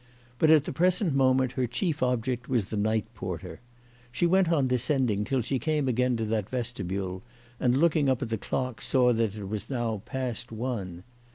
But at the present moment her chief object was the night porter. She went on descending till she came again to that vestibule, and looking up at the clock saw that it was now past one.